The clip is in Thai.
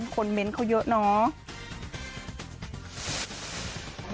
เมนต์เขาเยอะเนาะ